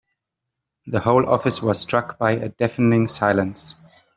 The whole office was struck by a deafening silence.